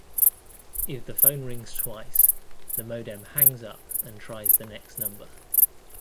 If the phone rings twice, the modem hangs up and tries the next number.